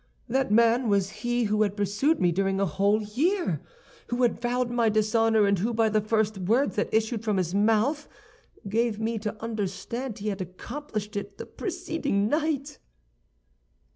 "That man was he who had pursued me during a whole year, who had vowed my dishonor, and who, by the first words that issued from his mouth, gave me to understand he had accomplished it the preceding night."